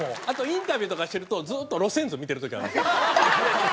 あとインタビューとかしてるとずっと路線図見てる時ある。